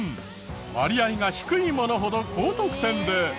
割合が低いものほど高得点で。